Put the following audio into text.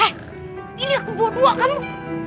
eh ini aku buat dua kamu